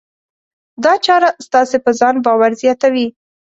دا چاره ستاسې په ځان باور زیاتوي.